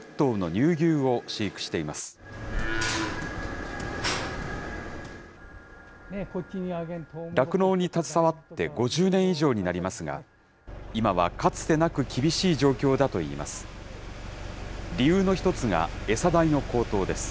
酪農に携わって５０年以上になりますが、今はかつてなく厳しい状況だといいます。